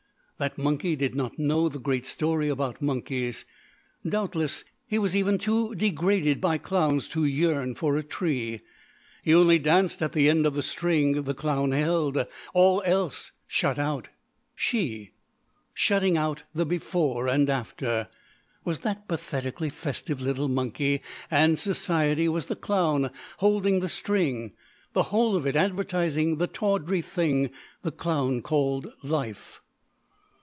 That monkey did not know the great story about monkeys; doubtless he was even too degraded by clowns to yearn for a tree. He only danced at the end of the string the clown held all else shut out. She shutting out the before and after was that pathetically festive little monkey; and society was the clown holding the string the whole of it advertising the tawdry thing the clown called life.